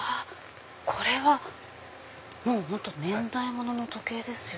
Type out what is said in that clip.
これは年代物の時計ですよね。